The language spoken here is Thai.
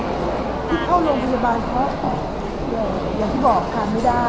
ที่เข้าโรงพยาบาลเขาอย่างที่บอกการไม่ได้